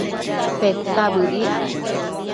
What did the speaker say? Peta bëdic